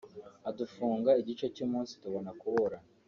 adufunga igice cy’umunsi tubona kuburana